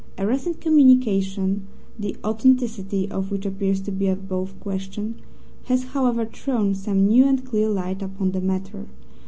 A recent communication (the authenticity of which appears to be above question) has, however, thrown some new and clear light upon the matter.